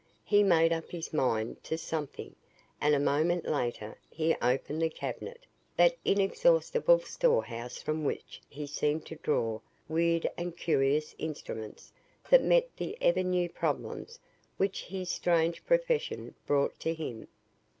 He made up his mind to something and a moment later he opened the cabinet that inexhaustible storehouse from which he seemed to draw weird and curious instruments that met the ever new problems which his strange profession brought to him.